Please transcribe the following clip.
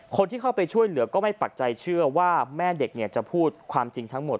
คนที่เข้าไปช่วยเหลือก็ไม่ปักใจเชื่อว่าแม่เด็กจะพูดความจริงทั้งหมด